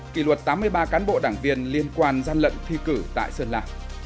kỳ luật tám mươi ba cán bộ đảng viên liên quan gian lận thi cử tại sơn là